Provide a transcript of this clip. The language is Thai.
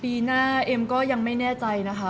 ปีหน้าเอ็มก็ยังไม่แน่ใจนะคะ